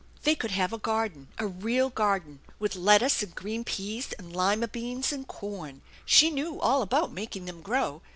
They could have a garden, a real garden, with lettuce and green peas and lima beans and corn ! She knew all about making them grow.